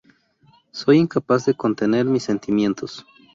Soy incapaz de contener mis sentimientos.